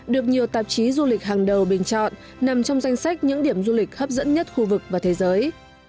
được nhiều tạp chí du lịch hàng đầu bình chọn nằm trong danh sách những điểm du lịch hấp dẫn nhất khu vực và thế giới